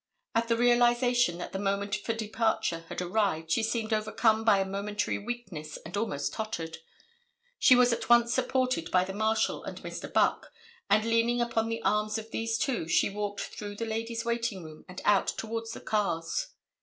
At the realization that the moment for departure had arrived she seemed overcome by a momentary weakness and almost tottered. She was at once supported by the Marshal and Mr. Buck, and leaning upon the arms of these two she walked through the ladies' waiting room and out towards the cars.